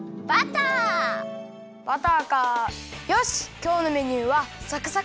きょうのメニューはサクサク！